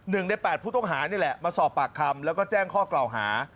หนึ่งในแปดผู้ต้องหานี่แหละมาสอบปากคำแล้วก็แจ้งข้อกล่าวหา